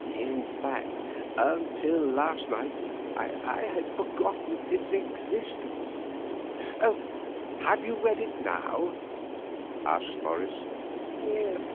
In fact, until last night I had forgotten its existence." "Have you read it now?" asked Morris.